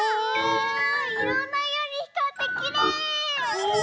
いろんないろにひかってきれい！